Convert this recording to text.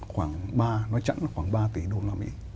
khoảng ba nói chẳng khoảng ba tỷ đô la mỹ